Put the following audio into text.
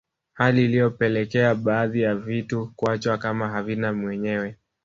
Hali iliyopelekea baadhi ya vitu kuachwa kama havina mwenyewe